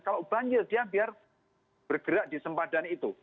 kalau banjir dia biar bergerak di sempadan itu